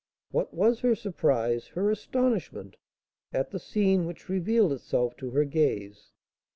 What was her surprise, her astonishment, at the scene which revealed itself to her gaze!